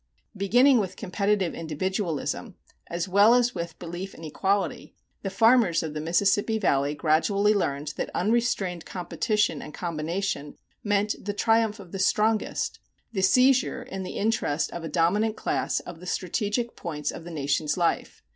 Beginning with competitive individualism, as well as with belief in equality, the farmers of the Mississippi Valley gradually learned that unrestrained competition and combination meant the triumph of the strongest, the seizure in the interest of a dominant class of the strategic points of the nation's life.